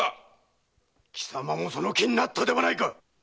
きさまもその気になったではないか！